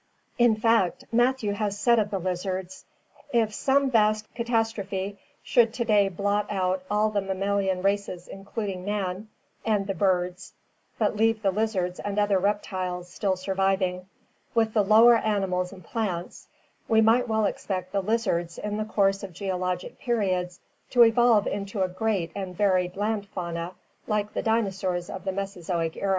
In fact, Matthew has said of the lizards: "If some vast catastro phe should to day blot out all the mammalian races including man, and the birds, but leave the lizards and other reptiles still surviving, with the lower animals and plants, we might well expect the lizards in the course of geologic periods to evolve into a great and varied land fauna like the dinosaurs of the Mesozoic era."